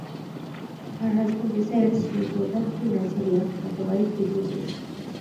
Her husband decides to go back to Nigeria but the wife refuses.